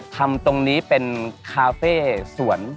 ทำตรงนี้เป็นคาเฟ่สวน